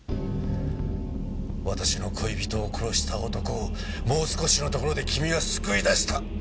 私の恋人を殺した男をもう少しのところで君は救い出した。